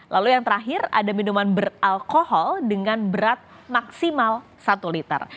lalu yang terakhir ada minuman beralkohol dengan berat maksimal satu liter